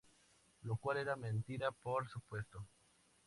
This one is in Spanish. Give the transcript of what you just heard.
Lo cual era mentira, por supuesto.